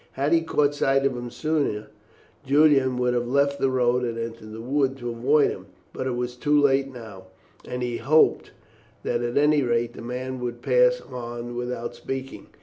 Had he caught sight of him sooner Julian would have left the road and entered the wood to avoid him, but it was too late now, and he hoped that at any rate the man would pass on without speaking.